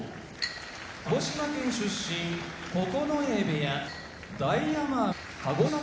鹿児島県出身九重部屋